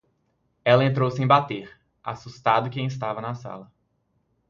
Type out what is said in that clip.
Ela entrou sem bater, assustado quem estava na sala.